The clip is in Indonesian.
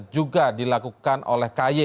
juga dilakukan oleh ky